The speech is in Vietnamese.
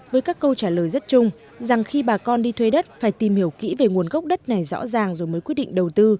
với các câu trả lời rất chung rằng khi bà con đi thuê đất phải tìm hiểu kỹ về nguồn gốc đất này rõ ràng rồi mới quyết định đầu tư